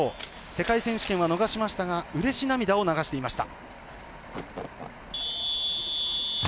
世界選手権は逃しましたがうれし涙を流していました。